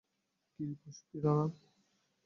কী, প্রশিক্ষিত না?